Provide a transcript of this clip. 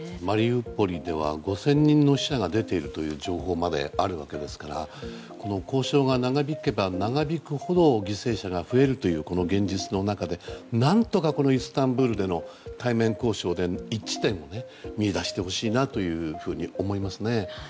マリウポリでは５０００人の死者が出ているとの情報まであるわけですから交渉が長引けが長引くほど犠牲者が増えるという現実の中で何とかイスタンブールでの対面交渉で一致点を見出してほしいなと思いますね。